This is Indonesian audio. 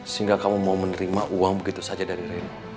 sehingga kamu mau menerima uang begitu saja dari rein